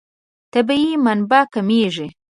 طبیعي منابع کمېږي.